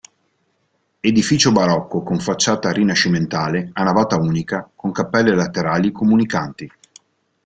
Edificio barocco con facciata rinascimentale a navata unica con cappelle laterali comunicanti.